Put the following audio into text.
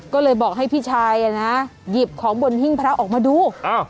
ก็เลยบอกให้พี่ชายหยิบของบนหิ้งพระออกมาดู